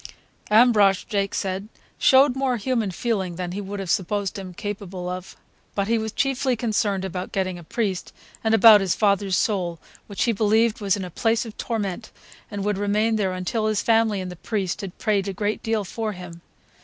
Ambrosch, Jake said, showed more human feeling than he would have supposed him capable of; but he was chiefly concerned about getting a priest, and about his father's soul, which he believed was in a place of torment and would remain there until his family and the priest had prayed a great deal for him.